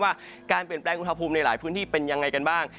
ว่าการเปลี่ยนแปลงอุณหภูมิในหลายพื้นที่เป็นยังไงกันบ้าง